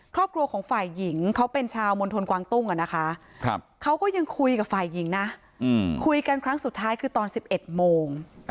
คุยกับฝ่ายหญิงนะคุยกันครั้งสุดท้ายคือตอน๑๑โมง